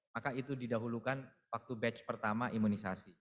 maka itu didahulukan waktu batch pertama imunisasi